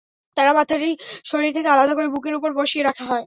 তাঁরা মাথাটি শরীর থেকে আলাদা করে বুকের ওপর বসিয়ে রাখা হয়।